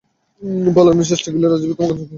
পালানোর চেষ্টা করলে রাজবীর তোমাকে ছাড়বে না।